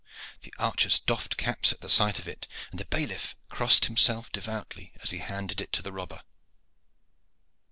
The archers doffed caps at the sight of it, and the bailiff crossed himself devoutly as he handed it to the robber.